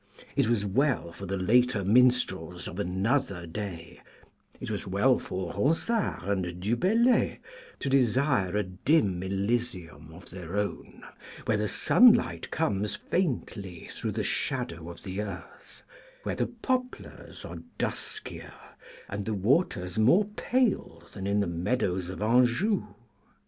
It was well for the later minstrels of another day, it was well for Ronsard and Du Bellay to desire a dim Elysium of their own, where the sunlight comes faintly through the shadow of the earth, where the poplars are duskier, and the waters more pale than in the meadows of Anjou.